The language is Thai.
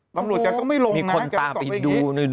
ตำรวจแกก็ไม่ลงมีคนตามไปดู